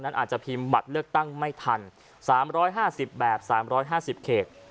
อาจจะพิมพ์บัตรเลือกตั้งไม่ทัน๓๕๐แบบ๓๕๐เขต